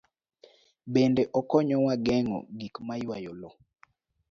Bende okonyowa geng'o gik ma ywayo lowo.